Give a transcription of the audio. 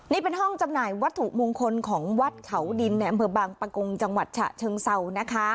นี่เป็นห้องจำหน่ายวัตถุมงคลของวัดเขาดินในอำเภอบางปะกงจังหวัดฉะเชิงเศร้านะคะ